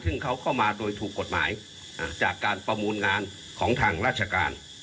ซึ่งเขาเข้ามาโดยถูกกฎหมายจากการประมูลงานของทางราชการ